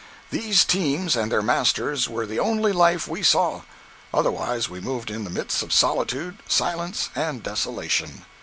These teams and their masters were the only life we saw. Otherwise we moved in the midst of solitude, silence and desolation.